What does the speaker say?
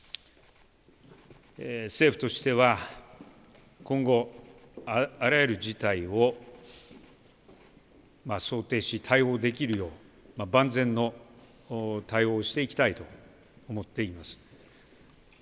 政府としては今後、あらゆる事態を想定し対応できるよう万全の対応をしていきたいと思っています。